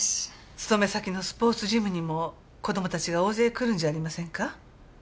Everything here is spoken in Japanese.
勤め先のスポーツジムにも子供たちが大勢来るんじゃありませんか？